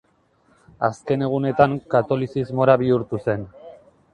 Azken egunetan, katolizismora bihurtu zen.